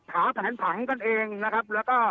หาแผนผังกันเองนะครับ